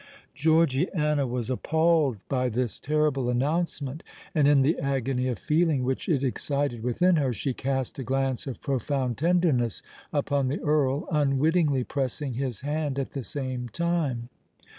Georgiana was appalled by this terrible announcement; and in the agony of feeling which it excited within her, she cast a glance of profound tenderness upon the Earl, unwittingly pressing his hand at the same time.